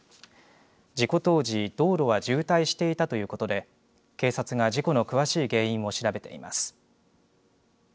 事故当時道路は渋滞していたということで警察が事故の詳しい原因を調べています。